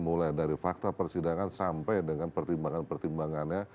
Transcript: mulai dari fakta persidangan sampai dengan pertimbangan pertimbangannya